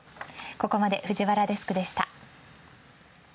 ここまで藤原デスクでした。